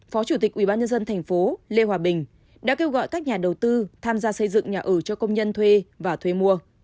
phó chủ tịch ubnd tp lê hòa bình đã kêu gọi các nhà đầu tư tham gia xây dựng nhà ở cho công nhân thuê và thuê mua